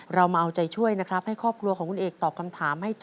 รับ๑แสงบาท